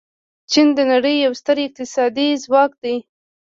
چین د نړۍ یو ستر اقتصادي ځواک دی.